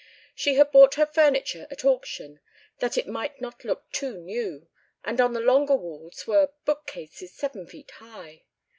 She had bought her furniture at auction that it might not look too new, and on the longer walls were bookcases seven feet high.